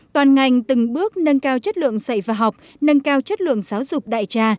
toàn ngành từng bước nâng cao chất lượng dạy và học nâng cao chất lượng giáo dục đại trà